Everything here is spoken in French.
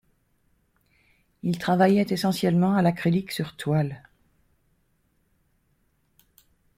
Il travaillait essentiellement à l'acrylique sur toile.